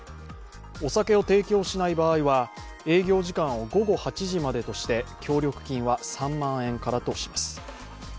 お酒を提供しない場合は営業時間を午後８時までとして協力金は３万円からとします。